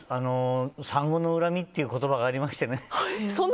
産後の恨みという言葉がありましてね。